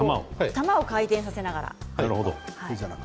玉を回転させながら。